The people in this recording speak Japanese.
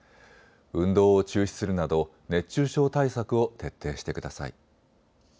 運動を中止するなど熱中症対策を徹底してください。